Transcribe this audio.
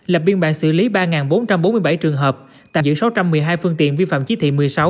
lập biên bản xử lý ba bốn trăm bốn mươi bảy trường hợp tạm giữ sáu trăm một mươi hai phương tiện vi phạm chí thị một mươi sáu